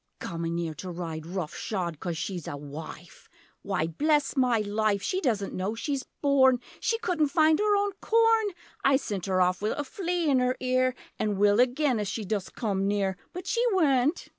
Comin' 'ere to ride rough shod Coz she's a 'wife.' Why bless my life She doesn't know she's born; She couldn't find her own corn! I sent 'er off wi' a flea in 'er ear! An' will again if she dost come near! But she weant!